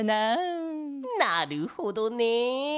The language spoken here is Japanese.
なるほどね。